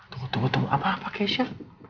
tunggu tunggu tunggu apa apa keisha